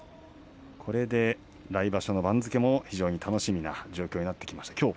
これで来場所は番付も楽しみな状況になってきました。